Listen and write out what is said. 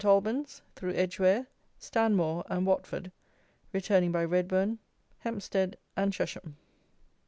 ALBANS, THROUGH EDGWARE, STANMORE, AND WATFORD, RETURNING BY REDBOURN, HEMPSTEAD, AND CHESHAM.